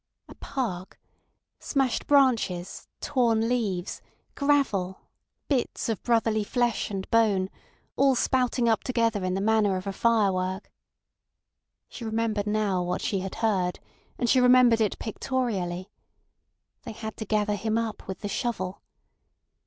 A park—smashed branches, torn leaves, gravel, bits of brotherly flesh and bone, all spouting up together in the manner of a firework. She remembered now what she had heard, and she remembered it pictorially. They had to gather him up with the shovel.